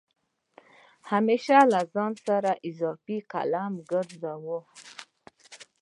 همېش له ځان سره اضافه قلم ګرځوه